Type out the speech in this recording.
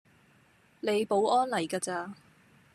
你保安嚟架咋